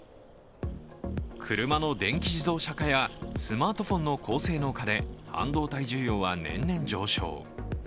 車の電気自動車化やスマートフォンの高性能化で半導体需要は年々上昇。